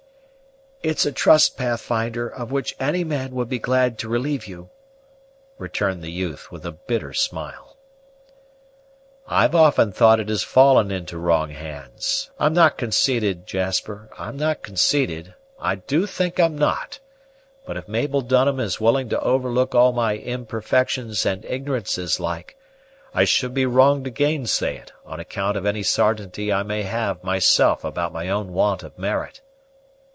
"It's a trust, Pathfinder, of which any man would be glad to relieve you," returned the youth, with a bitter smile. "I've often thought it has fallen into wrong hands. I'm not consaited, Jasper; I'm not consaited, I do think I'm not; but if Mabel Dunham is willing to overlook all my imperfections and ignorances like, I should be wrong to gainsay it, on account of any sartainty I may have myself about my own want of merit."